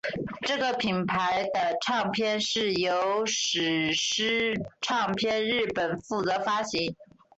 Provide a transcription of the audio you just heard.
这个品牌的唱片是由史诗唱片日本负责发行。